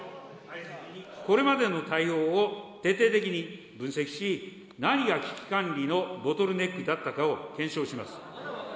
これまでの対応を徹底的に分析し、何が危機管理のボトルネックだったかを検証します。